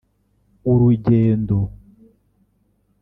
urugendo